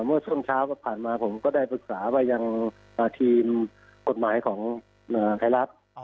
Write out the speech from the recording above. เมื่อช่วงเช้าที่ผ่านมาผมก็ได้ปรึกษาไปยังทีมกฎหมายของไทยรัฐ